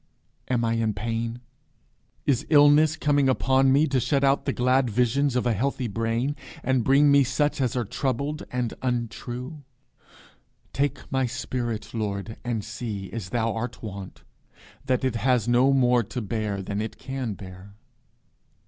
Am I in pain? Is illness coming upon me to shut out the glad visions of a healthy brain, and bring me such as are troubled and untrue? Take my spirit, Lord, and see, as thou art wont, that it has no more to bear than it can bear.